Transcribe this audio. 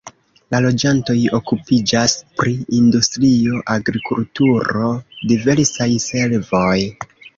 La loĝantoj okupiĝas pri industrio, agrikulturo, diversaj servoj.